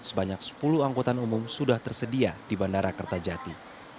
sebanyak sepuluh angkutan umum sudah tersedia di bandara kertajati